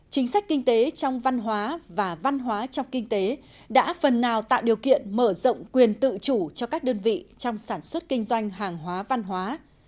chính sách kinh tế trong văn hóa và văn hóa trong kinh tế đã phần nào tạo điều kiện mở rộng quyền tự chủ cho các đơn vị trong sản xuất kinh doanh hàng hóa văn hóa